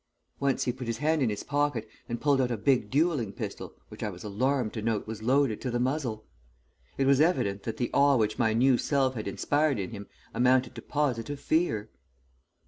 Once he put his hand in his pocket and pulled out a big duelling pistol which I was alarmed to note was loaded to the muzzle. It was evident that the awe which my new self had inspired in him amounted to positive fear.